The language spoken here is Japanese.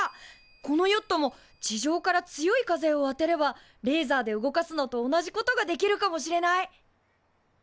このヨットも地上から強い風を当てればレーザーで動かすのと同じことができるかもしれない。